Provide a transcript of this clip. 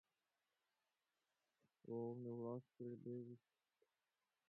Волны ласкали берег, словно нежные поцелуи возлюбленных.